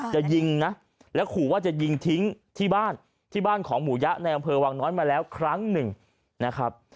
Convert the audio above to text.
จะยิงนะแล้วขู่ว่าจะยิงทิ้งที่บ้านที่บ้านของหมูยะในอำเภอวังน้อยมาแล้วครั้งหนึ่งนะครับ